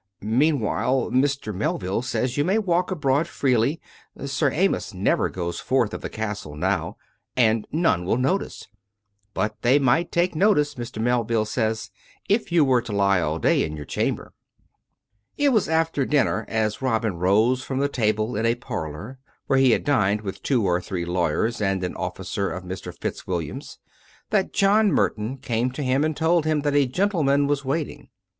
Mean while, Mr. Melville says you may walk abroad freely. ^ Sir Amyas never goes forth of the castle now, and none will notice. But they might take notice, Mr. Melville says, if you were to lie all day in your chamber." It was after dinner, as Robin rose from the table in a parlour, where he had dined with two or three lawyers and an officer of Mr. FitzWilliam, that John Merton came to him and told him that a gentleman was waiting.